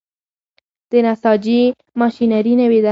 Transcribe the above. د نساجي ماشینري نوې ده؟